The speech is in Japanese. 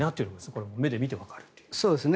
これも目で見てわかる。